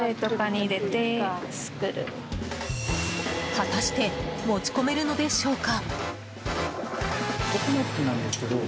果たして持ち込めるのでしょうか？